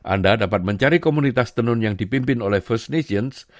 anda dapat mencari komunitas tenun yang dipimpin oleh first nations